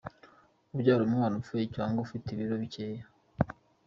Kubyara umwana upfuye cyangwa se ufite ibiro bikeya.